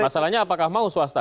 masalahnya apakah mau swasta